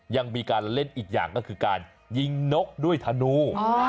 ยังมีการเล่นอีกอย่างก็คือการยิงนกด้วยธนู